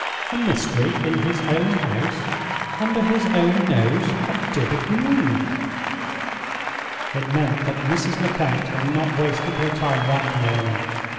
A mystery in his own house! under his own nose! What did it mean? It meant that Mrs. Lecount had not wasted her time that morning.